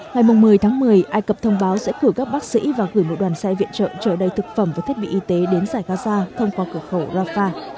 ngày một mươi tháng một mươi ai cập thông báo sẽ cử các bác sĩ và gửi một đoàn xe viện trợ trở đầy thực phẩm và thiết bị y tế đến giải gaza thông qua cửa khẩu rafah